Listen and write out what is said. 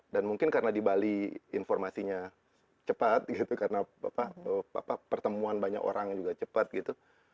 dan mungkin karena di bali informasinya cepat gitu karena pertemuan banyak orang juga cepat gitu